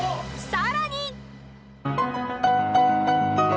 ［さらに］